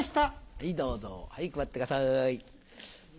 はいどうぞはい配ってください。